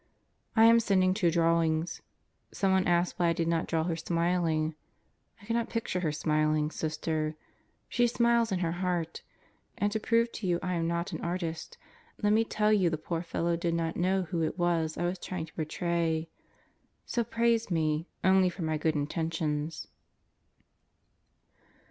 I am sending two drawings. ... Someone asked why I did not draw her smiling. I cannot picture her smiling, Sister. She smiles in her heart. And to prove to you I am not an artist, let me tell you the poor fellow did not know who it was I was trying to portray. So praise me only for my good intentions.